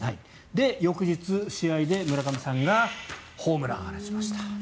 で、翌日、試合で村上さんがホームランを放ちました。